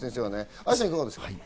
愛さんは、いかがですか？